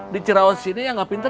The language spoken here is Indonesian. di ciraos ini yang gak pinter